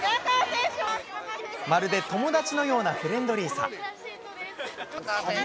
まるで友達のようなフレンドリーさ。